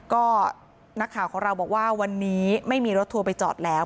ก็นักข่าวของเราบอกว่าวันนี้ไม่มีรถทัวร์ไปจอดแล้ว